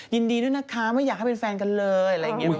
ยินดีด้วยนะคะไม่อยากให้เป็นแฟนกันเลยอะไรอย่างนี้